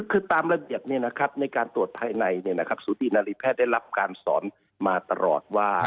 คือตามระเบียบในการตรวจภายในสุธินารีแพทย์ได้รับการสอนมาตลอดว่า